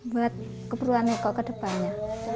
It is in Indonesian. buat keperluan eko kedepannya